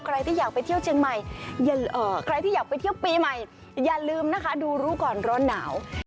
ใครที่อยากไปเที่ยวปีใหม่อย่าลืมนะคะดูรูกร้อนนาว